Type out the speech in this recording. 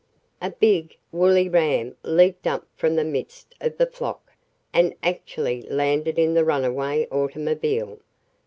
A big, woolly ram leaped up from the midst of the flock, and actually landed in the runaway automobile.